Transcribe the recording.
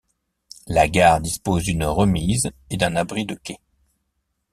La gare dispose d'une remise et d'un abri de quai.